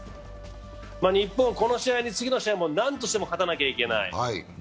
日本、この試合に次の試合も何としても勝たなければいけない。